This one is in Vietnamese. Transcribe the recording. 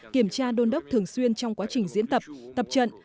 kiểm tra đôn đốc thường xuyên trong quá trình diễn tập tập trận